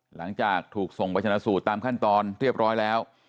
หลังจากถูกส่งไปชนะสูตรตามขั้นตอนเรียบร้อยแล้ว